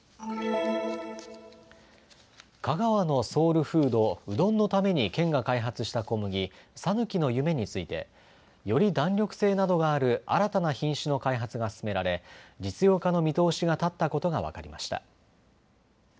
香川のソウルフード、うどんのために県が開発した小麦、さぬきの夢についてより弾力性などがある新たな品種の開発が進められ実用化の見通しが立ったことが分かりました。